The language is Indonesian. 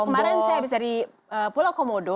kemarin saya habis dari pulau komodo